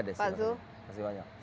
terima kasih banyak pak zu